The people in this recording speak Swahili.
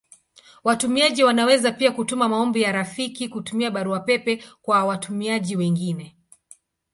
Watumiaji wanaweza pia kutuma maombi ya rafiki kutumia Barua pepe kwa watumiaji wengine.